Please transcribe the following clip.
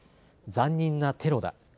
残忍なテロだ。